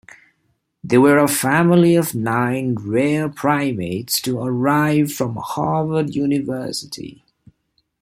They were a family of nine rare primates to arrive from Harvard University.